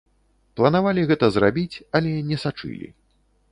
Планавалі гэта зрабіць, але не сачылі.